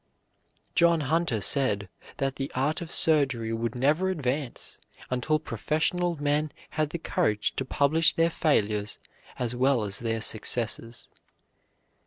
John Hunter said that the art of surgery would never advance until professional men had the courage to publish their failures as well as their successes.